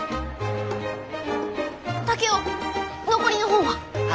竹雄残りの本は？